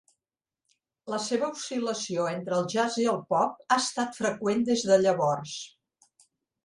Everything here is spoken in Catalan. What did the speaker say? La seva oscil·lació entre el jazz i el pop ha estat freqüent des de llavors.